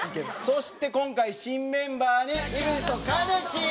そして今回新メンバーにＥＸＩＴのかねちー。